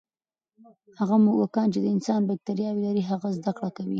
هغه موږکان چې د انسان بکتریاوې لري، ښه زده کړه کوي.